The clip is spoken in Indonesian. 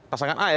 pasangan a ya